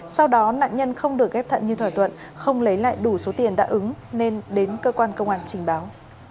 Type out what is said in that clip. sau đó nạn nhân không được ghép thận như thỏa thuận không lấy lại đủ số tiền đã ứng nên đến cơ quan công an trình báo